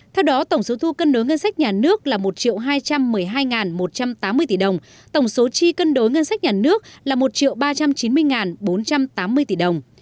theo đó tổng số thu cân đối ngân sách nhà nước là một hai trăm một mươi hai một trăm tám mươi tỷ đồng tổng số chi cân đối ngân sách nhà nước là một ba trăm chín mươi bốn trăm tám mươi tỷ đồng